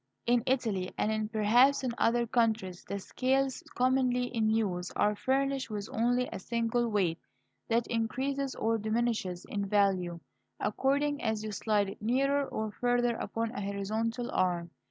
In Italy (and perhaps in other countries) the scales commonly in use are furnished with only a single weight that increases or diminishes in value according as you slide it nearer or farther upon a horizontal arm.